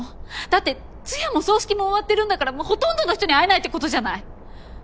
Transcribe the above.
だって通夜も葬式も終わってるんだからもうほとんどの人に会えないってことじゃない！